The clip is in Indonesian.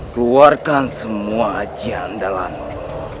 keluarkan semua jandalanmu